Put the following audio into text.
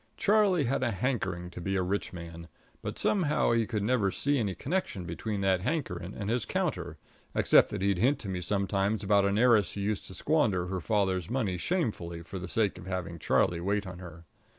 Charlie had a hankering to be a rich man; but somehow he could never see any connection between that hankering and his counter, except that he'd hint to me sometimes about an heiress who used to squander her father's money shamefully for the sake of having Charlie wait on her.